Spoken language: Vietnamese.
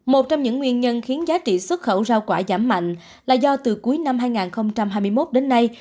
một trong những nguyên nhân khiến giá trị xuất khẩu rau quả giảm mạnh là do từ cuối năm hai nghìn hai mươi một đến nay